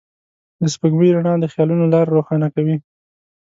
د سپوږمۍ رڼا د خيالونو لاره روښانه کوي.